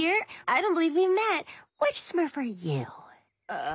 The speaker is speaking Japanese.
ああ。